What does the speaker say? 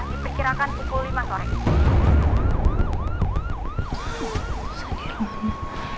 dipikirkan pukul lima sore